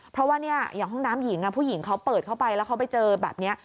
เพราะว่าอย่างห้องน้ำหญิงผู้หญิงเขาเปิดเข้าไปแล้วเขาไปเจอแบบนี้